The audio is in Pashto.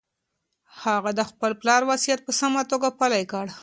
هغه د خپل پلار وصیت په سمه توګه پلي کړ.